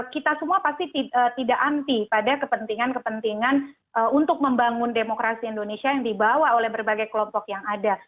kita semua pasti tidak anti pada kepentingan kepentingan untuk membangun demokrasi indonesia yang dibawa oleh berbagai kelompok yang ada